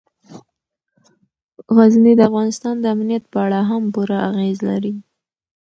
غزني د افغانستان د امنیت په اړه هم پوره اغېز لري.